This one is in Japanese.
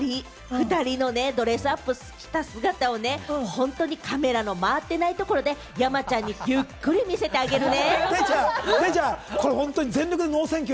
ドレスアップした姿をね、カメラの回ってないところでね、山ちゃんにゆっくり見せてあげるね。